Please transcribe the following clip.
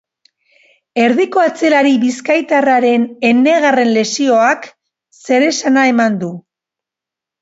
Erdiko atzelari bizkaitarraren enegarren lesioak zeresana eman du.